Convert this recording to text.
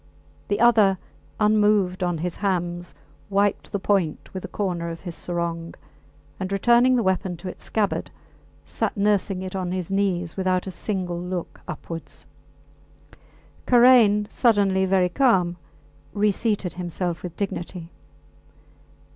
The other, unmoved on his hams, wiped the point with a corner of his sarong, and returning the weapon to its scabbard, sat nursing it on his knees without a single look upwards. Karain, suddenly very calm, reseated himself with dignity.